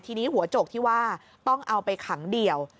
ทีนี้หัวโจกที่ว่าต้องเอาไปขังเดี่ยว